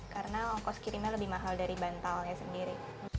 karena ongkos kirimnya lebih mahal dari bantalnya sendiri